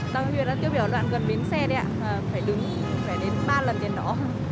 tăng huyện đã tiêu biểu đoạn gần bến xe đấy ạ phải đứng phải đến ba lần đến đó